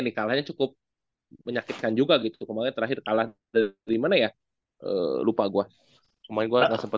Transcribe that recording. dikalahnya cukup menyakitkan juga gitu kemarin terakhir kalah terdiri mana ya lupa gua cuma gue